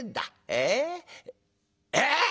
ええ。えっ！？